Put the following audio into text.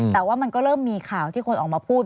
แต่ว่ามันก็เริ่มมีข่าวที่คนออกมาพูด